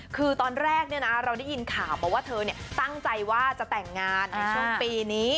คือตอนแรกเราได้ยินข่าวมาว่าเธอตั้งใจว่าจะแต่งงานในช่วงปีนี้